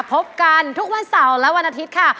พบกันทุกวันเสาร์และวันอาทิตย์ค่ะ